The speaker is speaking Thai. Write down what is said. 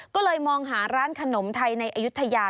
ก็เลยมองหาร้านขนมไทยในอายุทยา